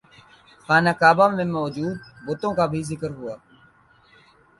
خانہ کعبہ میں موجود بتوں کا بھی ذکر ہوا